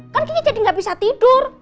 kan kiki jadi gak bisa tidur